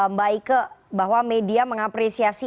mbak ike bahwa media mengapresiasi